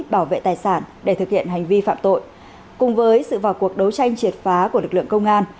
bảo vệ tài sản để thực hiện hành vi phạm tội cùng với sự vào cuộc đấu tranh triệt phá của lực lượng công an